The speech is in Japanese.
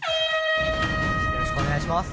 よろしくお願いします。